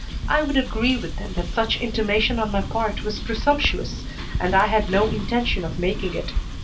I would agree with them that such intimation on my part was presumptuous and I had no intention of making it.